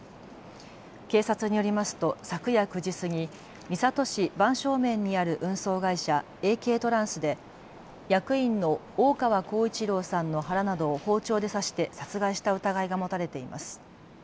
警察によりますと昨夜９時過ぎ、三郷市番匠免にある運送会社、ＡＫトランスで役員の大川幸一郎さんの腹などを包丁で刺して殺害した疑いが持たれています。